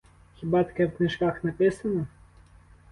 Хіба таке в книжках написано?